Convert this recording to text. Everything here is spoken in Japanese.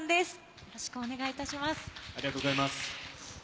よろしくお願いします。